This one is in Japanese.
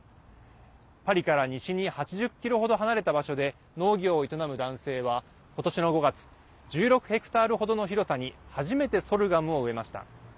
パリから西に８０ｋｍ程離れた場所で農業を営む男性は、今年の５月１６ヘクタール程の広さに初めてソルガムを植えました。